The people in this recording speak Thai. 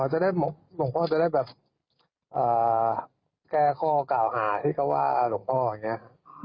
หลวงพ่อจะได้แบบแก้ข้อกล่าวหาที่เขาว่าหลวงพ่ออย่างนี้